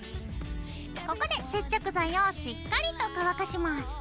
ここで接着剤をしっかりと乾かします。